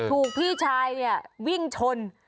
ถูกพี่ชายเนี่ยวิ่งชน